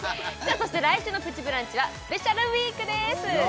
そして来週の「プチブランチ」はスペシャルウィークです